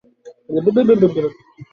অবশ্যই, রাজা এবং রাণী বিরোধিতা করবে।